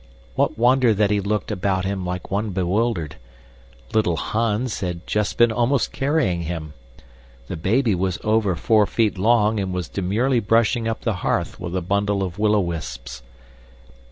What wonder that he looked about him like one bewildered. "Little Hans" had just been almost carrying him. "The baby" was over four feet long and was demurely brushing up the hearth with a bundle of willow wisps.